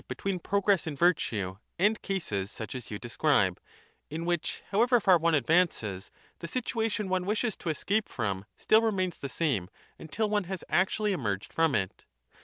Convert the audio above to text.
xxiv progress in virtue and cases such as you describe, in which however far one advances, the situation one wishes to escape from still remains the same until one has actually emerged from it.